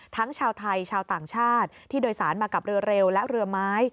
ชาวไทยชาวต่างชาติที่โดยสารมากับเรือเร็วและเรือไม้